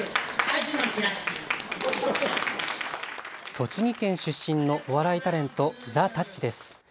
栃木県出身のお笑いタレント、ザ・たっちです。